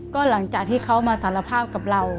ก็หลังจากที่เขามาสารภาพกับเรา